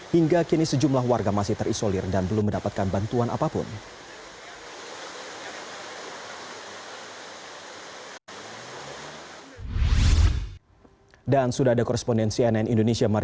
hingga kini sejumlah warga masih terisolir dan belum mendapatkan bantuan apapun